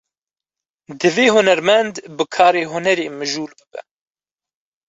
Divê hunermend, bi karê hunerê mijûl bibe